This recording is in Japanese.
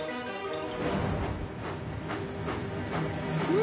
う！